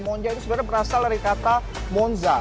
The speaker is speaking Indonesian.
moozah itu sudah berasal dari kata moozah